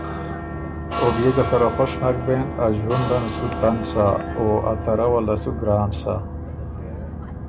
او بيې که سره خوش نک بېن ا ݫوُندن سُو تنګ سۀ او ا ترؤ له سُو ګران سۀ